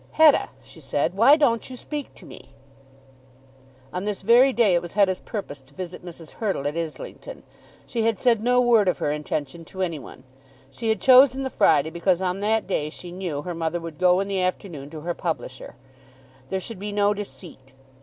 "Hetta," she said, "why don't you speak to me?" On this very day it was Hetta's purpose to visit Mrs. Hurtle at Islington. She had said no word of her intention to any one. She had chosen the Friday because on that day she knew her mother would go in the afternoon to her publisher. There should be no deceit.